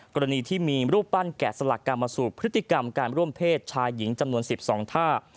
กรณีที่มีรูปปั้นแกะสลักกรรมสูบพฤติกรรมการร่วมเพศชายหญิงจำนวน๑๒ท่า